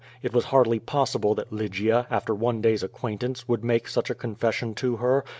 It was hardly possible that Ly gia, after one day's acquaintance, would make such a con fession to her.